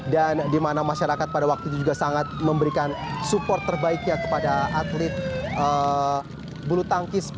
dan dimana masyarakat pada waktu itu juga sangat memberikan support terbaiknya kepada atlet